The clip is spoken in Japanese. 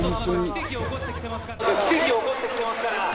奇跡を起こしてきてますから。